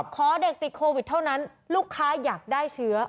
ขอเด็กติดโควิดเท่านั้นลูกค้าอยากได้เชื้อ